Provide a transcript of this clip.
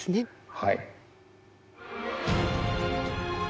はい。